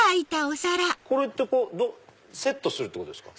これセットするってことですか？